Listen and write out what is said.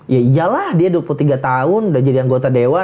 yaiyalah dia dua puluh tiga tahun udah jadi anggota dewa